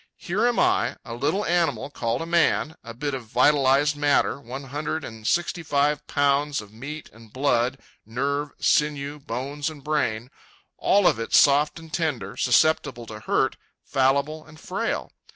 Here am I, a little animal called a man—a bit of vitalized matter, one hundred and sixty five pounds of meat and blood, nerve, sinew, bones, and brain,—all of it soft and tender, susceptible to hurt, fallible, and frail.